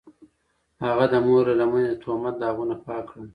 هغه د مور له لمنې د تهمت داغونه پاک کړل.